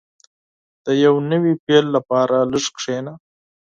• د یو نوي پیل لپاره لږ کښېنه.